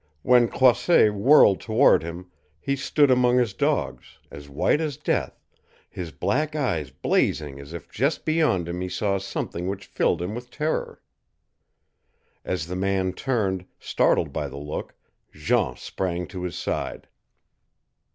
When Croisset whirled toward him, he stood among his dogs, as white as death, his black eyes blazing as if just beyond him he saw something which filled him with terror. As the man turned, startled by the look, Jean sprang to his side.